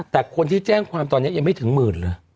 แต่คนที่แจ้งความตอนนี้ยังไม่ถึง๑๐๐๐๐หรือ